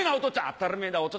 「当たりめぇだおと